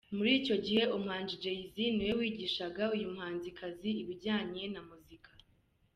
Muri icyo gihe umuhanzi Jay-Z niwe wigishaga uyu muhanzikazi ibijyanyena muzika.